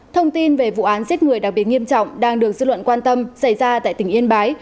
thông tin về vụ án giết người đặc biệt nghiêm trọng đang được dư luận quan tâm xảy ra tại tỉnh yên bái